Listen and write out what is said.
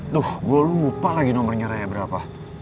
duh gue lupa lagi nomernya raya berapa